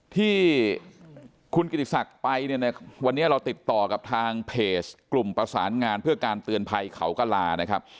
ที่คุณกิติศักดิ์ไปเนี่ยในวันนี้เราติดต่อกับทางเพจกลุ่มประสานงานเพื่อการเตือนภัยเขากระลานะครับ